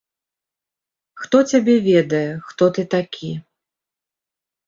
Хто цябе ведае, хто ты такі.